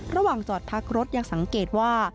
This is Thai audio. ระหว่างจอดพักรถยังสังเกตว่า